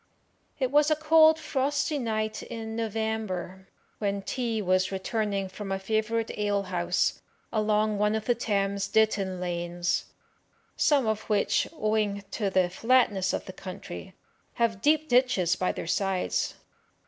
It was a cold, frosty night in November, when T y was returning from a favourite alehouse, along one of the Thames Ditton lanes, some of which, owing to the flatness of the country, have deep ditches by their sides.